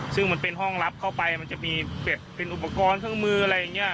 ซึ่งมันเป็นห้องรับเข้าไปมันจะมีแบบเป็นอุปกรณ์เครื่องมืออะไรอย่างนี้